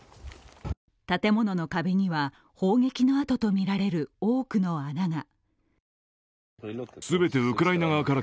建物の壁には、砲撃のあととみられる多くの穴が。